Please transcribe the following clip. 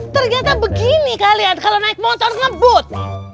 tergata begini kalian kalo naik motor ngebut